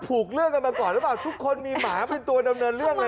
เรื่องกันมาก่อนหรือเปล่าทุกคนมีหมาเป็นตัวดำเนินเรื่องเลย